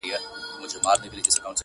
زه د جانان میني پخوا وژلې ومه!